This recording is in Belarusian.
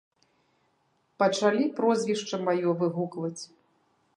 Пачалі прозвішча маё выгукваць.